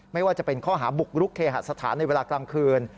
ไม่ว่าจะเป็นข้อหาบุกรุกเคหสถานในเวลากลางคืน